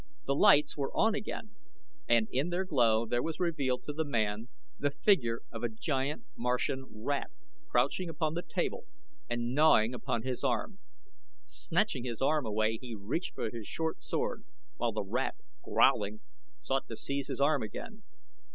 The lights were on again and in their glow there was revealed to the man the figure of a giant Martian rat crouching upon the table and gnawing upon his arm. Snatching his arm away he reached for his short sword, while the rat, growling, sought to seize his arm again.